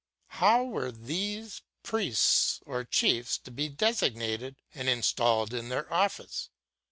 How were these priests or chiefs to be designated and installed in their office?